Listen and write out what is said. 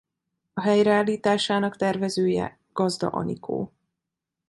A helyreállításának tervezője Gazda Anikó.